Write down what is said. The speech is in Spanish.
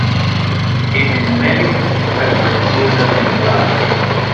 En Emelec permaneció una temporada.